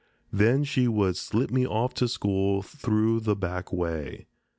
Then she would slip me off to school through the back way.